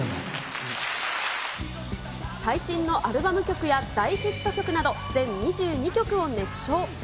最新のアルバム曲や大ヒット曲など、全２２曲を熱唱。